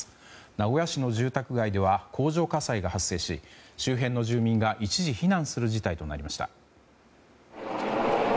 名古屋市の住宅街では工場火災が発生し周辺の住民が一時避難する事態となりました。